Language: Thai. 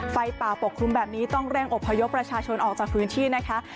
ไฟป่าปกคลุมแบบนี้ต้องเร่งอบพยพประชาชนออกจากพื้นที่นะคะ